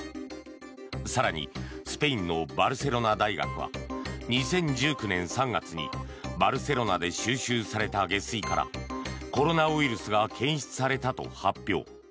更にスペインのバルセロナ大学は２０１９年３月にバルセロナで収集された下水からコロナウイルスが検出されたと発表。